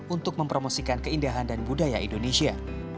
untuk mempromosikan keindahan dan budaya indonesia